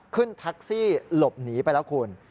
ขึ้นแท็กซี่หลบหนีไปแล้วคุณ